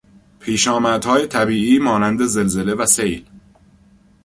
پیشامدهای طبیعی مانند زلزله و سیل